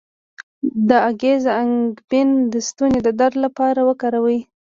د ګز انګبین د ستوني د درد لپاره وکاروئ